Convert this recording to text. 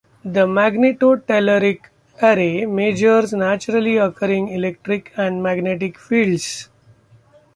The Magnetotelluric Array measures naturally occurring electric and magnetic fields.